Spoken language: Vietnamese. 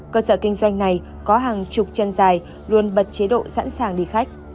cơ sở kinh doanh này có hàng chục chân dài luôn bật chế độ sẵn sàng đi khách